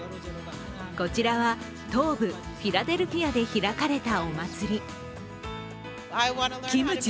こちらは東部・フィラデルフィアで開かれたお祭り。